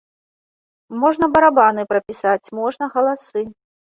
Можна барабаны прапісаць, можна галасы.